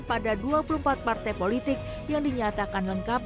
pada dua puluh empat partai politik yang dinyatakan lengkap